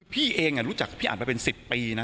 พี่เองรู้จักพี่อันมาเป็น๑๐ปีนะ